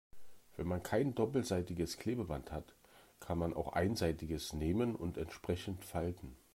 Wenn man kein doppelseitiges Klebeband hat, kann man auch einseitiges nehmen und entsprechend falten.